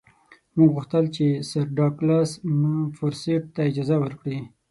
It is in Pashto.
موږ وغوښتل چې سر ډاګلاس فورسیت ته اجازه ورکړي.